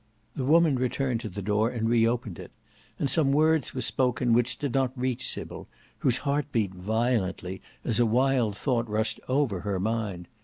The woman returned to the door and reopened it, and some words were spoken which did not reach Sybil, whose heart beat violently as a wild thought rushed over her mind.